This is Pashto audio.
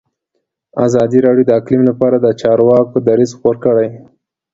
ازادي راډیو د اقلیم لپاره د چارواکو دریځ خپور کړی.